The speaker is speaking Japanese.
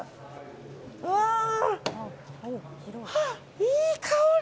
うわー、いい香り！